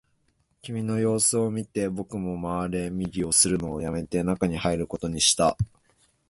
君の様子を見て、僕も回れ右をするのをやめて、中に入ることにした